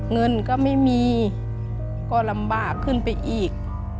เงินก็ไม่มีก็ลำบากขึ้นไปอีก